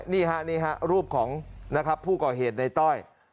นี่ฮะนี่ฮะรูปของนะครับผู้ก่อเหตุในต้อย